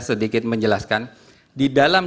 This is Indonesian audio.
sedikit menjelaskan di dalam